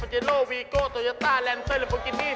อาเจโรวีโกโตยาต้าแลนด์เซ้ยเริ่มโปรกินี่